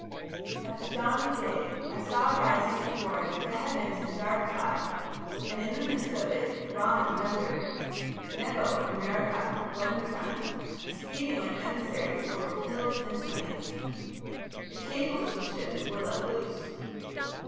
"At the dawn of day I saw rising athwart the heavens a dark cloud, and in the midst of it Ramman thundered. Nebo and Merodach went in front, speeding like emissaries over hills and plains. The cables of the ship were let loose.